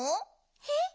えっ？